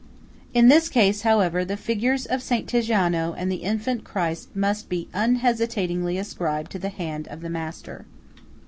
In this case, however, the figures of S. Tiziano and the Infant Christ must be unhesitatingly ascribed to the hand of the master.